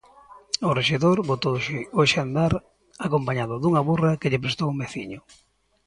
O rexedor botouse hoxe a andar acompañado dunha burra que lle prestou un veciño.